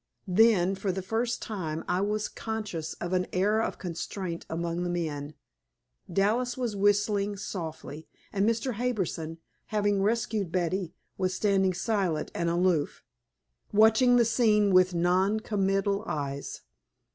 Then, for the first time, I was conscious of an air of constraint among the men. Dallas was whistling softly, and Mr. Harbison, having rescued Betty, was standing silent and aloof, watching the scene with non committal eyes.